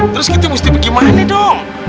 terus kita mesti gimana dong